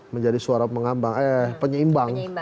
menjadi suara penyeimbang